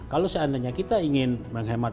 kalau seandainya kita ingin menghemat